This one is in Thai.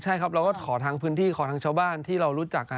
ใช่ครับเราก็ขอทางพื้นที่ขอทางชาวบ้านที่เรารู้จัก